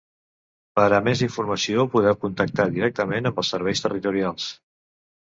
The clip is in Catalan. Per a més informació, podeu contactar directament amb els Serveis Territorials.